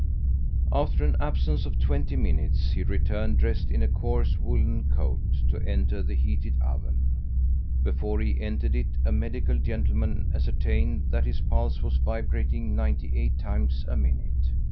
After an absence of twenty minutes, he returned, dressed in a coarse woolen coat, to enter the heated oven. Before he entered it, a medical gentleman ascertained that his pulse was vibrating ninety eight times a minute.